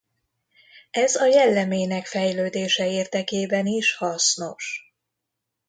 Ez a jellemének fejlődése érdekében is hasznos.